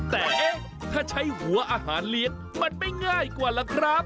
แต่เอ๊ะถ้าใช้หัวอาหารเลี้ยงมันไม่ง่ายกว่าล่ะครับ